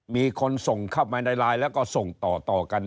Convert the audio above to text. มีคนส่งเข้ามาในไลน์แล้วก็ส่งต่อกัน